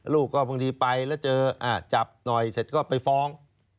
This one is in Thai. ลูกก็บางทีไปแล้วเจอจับหน่อยเสร็จก็ไปฟ้อง